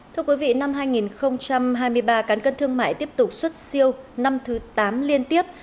thưa quý vị năm hai nghìn hai mươi ba cán cân thương mại tiếp tục xuất siêu năm thứ tám liên tiếp